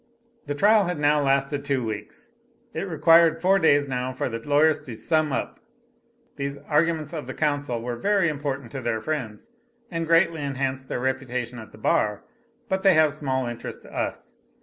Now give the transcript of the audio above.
The trial had now lasted two weeks. It required four days now for the lawyers to "sum up." These arguments of the counsel were very important to their friends, and greatly enhanced their reputation at the bar but they have small interest to us.